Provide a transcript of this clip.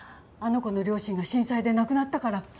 あの子の両親が震災で亡くなったから。